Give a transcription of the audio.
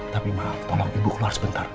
tapi maaf tolong ibu kelar sebentar